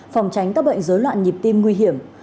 phòng tránh các bệnh dối loạn nhịp tim nguy hiểm